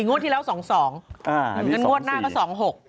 งวดที่แล้ว๒๒งั้นงวดหน้าก็๒๖